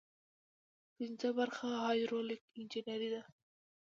پنځمه برخه د هایدرولیک انجنیری ده.